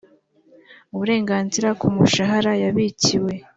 uburenganzira ku mushahara yabikiwe